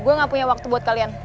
gue gak punya waktu buat kalian